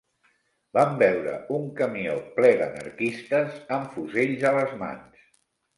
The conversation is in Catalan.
Vam veure un camió, ple d'anarquistes amb fusells a les mans